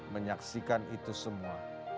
menyaksikan itu semua